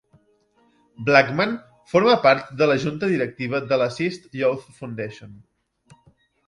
Blackman forma part de la junta directiva de l'Assist Youth Foundation.